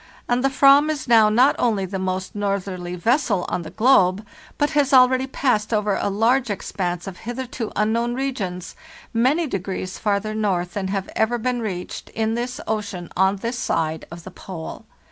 And the 47am is now not only the most northerly vessel on the globe, but has already passed over a large expanse of hitherto unknown regions, many degrees farther north than have ever been reached in this ocean on this side of the Pole.